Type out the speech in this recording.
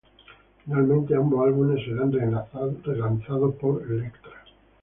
Finalmente ambos álbumes serían relanzados por Elektra.